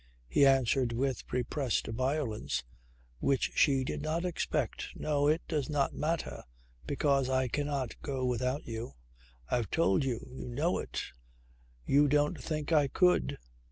He answered with repressed violence which she did not expect: "No, it does not matter, because I cannot go without you. I've told you ... You know it. You don't think I could."